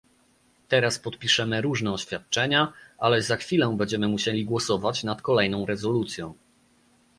Teraz podpiszemy różne oświadczenia, ale za chwilę będziemy musieli głosować nad kolejną rezolucją